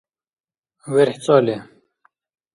верхӀцӀали